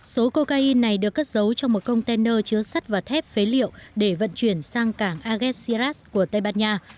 số cocaine này được cất giấu trong một container chứa sắt và thép phế liệu để vận chuyển sang cảng agesirat của tây ban nha